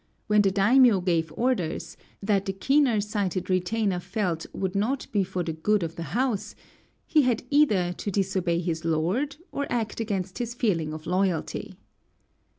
When the daimiō gave orders that the keener sighted retainer felt would not be for the good of the house, he had either to disobey his lord, or act against his feeling of loyalty.